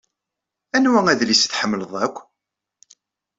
Anwa adlis i tḥemmleḍ akk?